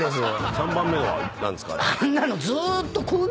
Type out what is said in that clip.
３番目は何ですか？